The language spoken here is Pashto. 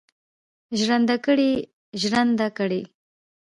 ژرندهګړی ژرنده کړي.